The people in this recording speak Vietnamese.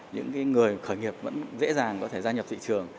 những người khởi nghiệp vẫn dễ dàng có thể gia nhập thị trường